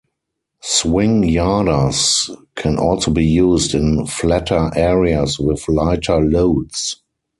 Swing yarders can also be used in flatter areas with lighter loads.